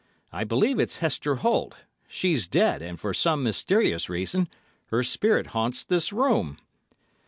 'I believe it's Hester Holt; she's dead, and for some mysterious reason her spirit haunts this room.